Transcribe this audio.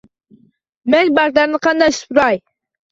- Men barglarni qanday supuray?